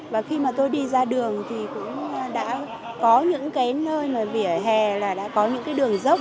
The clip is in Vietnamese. và khi mà tôi đi ra đường thì cũng đã có những cái nơi mà vỉa hè là đã có những cái đường dốc